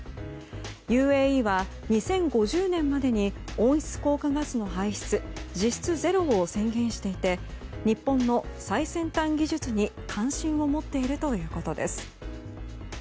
ＵＡＥは２０５０年までに温室効果ガスの排出実質ゼロを宣言していて日本の最先端技術に関心を持っているということです。